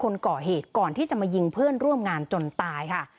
คนก่อเหตุก่อนที่จะมายิงเพื่อนร่วมงานจนตายค่ะ